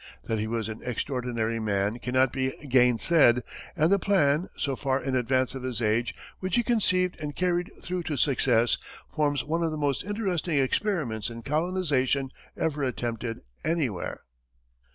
That he was an extraordinary man cannot be gainsaid, and the plan, so far in advance of his age, which he conceived and carried through to success, forms one of the most interesting experiments in colonization ever attempted anywhere.